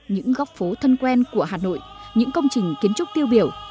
những góc phố thân quen của hà nội những công trình kiến trúc tiêu biểu